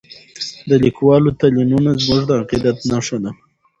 د لیکوالو تلینونه زموږ د عقیدت نښه ده.